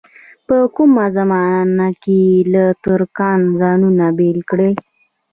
په کومه زمانه کې له ترکانو ځانونه بېل کړي.